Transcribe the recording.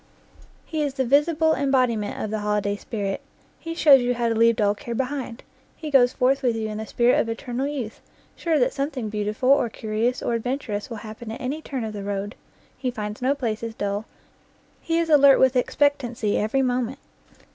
He is the visible embodiment of the holiday spirit; he shows you how to leave dull care behind; he goes forth with you in the spirit of eternal youth, sure that something beautiful or curi ous or adventurous will happen at any turn of the road. He finds no places dull, he is alert with expect ancy every moment.